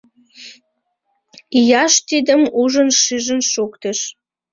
Ийаш тидым ужын-шижын шуктыш.